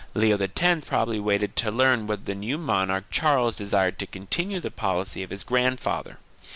Leo X probably waited to learn whether the new monarch Charles desired to continue the policy of his grand father.